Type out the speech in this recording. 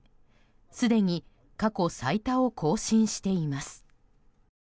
すでに過去最多を更新しています。